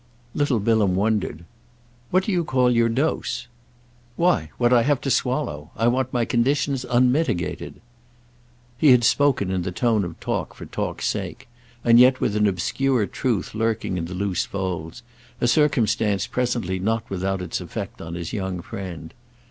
Little Bilham wondered. "What do you call your dose?" "Why what I have to swallow. I want my conditions unmitigated." He had spoken in the tone of talk for talk's sake, and yet with an obscure truth lurking in the loose folds; a circumstance presently not without its effect on his young friend.